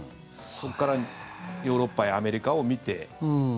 そこからヨーロッパやアメリカを見て。